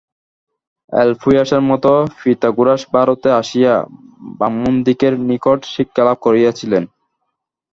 এপুলিয়াসের মতে পিথাগোরাস ভারতে আসিয়া ব্রাহ্মণদিগের নিকট শিক্ষালাভ করিয়াছিলেন।